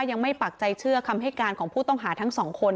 ปักใจเชื่อคำให้การของผู้ต้องหาทั้งสองคน